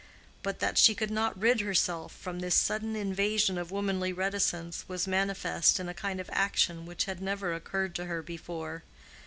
But that she could not rid herself from this sudden invasion of womanly reticence was manifest in a kind of action which had never occurred to her before.